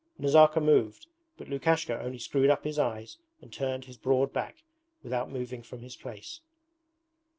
Nazarka moved, but Lukashka only screwed up his eyes and turned his broad back without moving from his place.